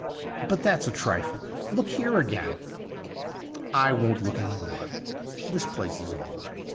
But that's a trifle. Look here again— '' I won't look any more. This place is all right.